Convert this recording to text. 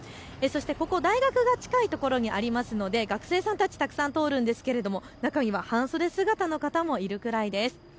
ここ大学が近い所にありますので学生さんたち、たくさん通るんですが、中には半袖姿の方もいるくらいです。